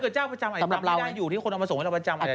จ้าประจำไอตัมปิดได้อยู่ที่มันมาส่งมาให้รับประจำไอตัม